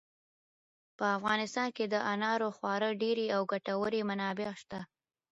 په افغانستان کې د انارو خورا ډېرې او ګټورې منابع شته.